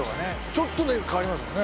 ちょっとで変わりますよね